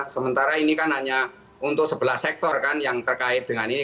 sementara ini kan hanya untuk sebelah sektor kan yang terkait dengan ini